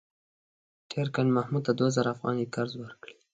تېر کال مې محمود ته دوه زره افغانۍ قرض ورکړې.